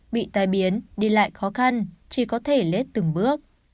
bị tai biến đi lại khó khăn chỉ có thể lết từng bước